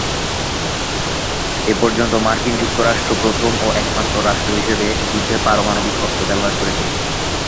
এ পর্যন্ত মার্কিন যুক্তরাষ্ট্র প্রথম ও একমাত্র রাষ্ট্র হিসেবে যুদ্ধে পারমাণবিক অস্ত্র ব্যবহার করেছে।